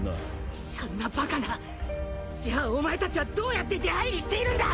そんなバカなじゃあお前たちはどうやって出入りしているんだ！